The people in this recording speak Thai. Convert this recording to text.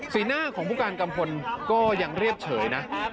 หน้าของผู้การกัมพลก็ยังเรียบเฉยนะ